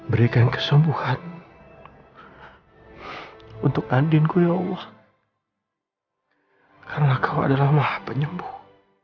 berikan kesembuhan untuk andinku ya allah karena kau adalah maha penyembuh